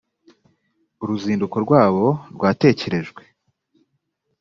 uru ruzinduko rwabo rwatekerejwe